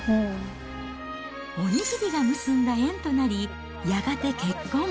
お握りが結んだ縁となり、やがて結婚。